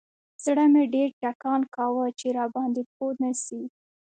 زړه مې ډېر ټکان کاوه چې راباندې پوه نسي.